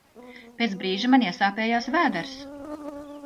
Pēc brīža man iesāpējās vēders.